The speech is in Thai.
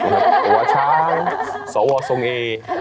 แบบหัวชายสวสงศ์เอ